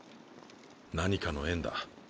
何かの縁だ。